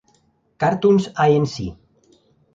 Cartoons, Inc.